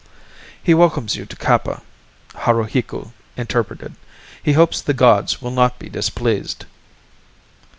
"He welcomes you to Kappa," Haruhiku interpreted. "He hopes the gods will not be displeased."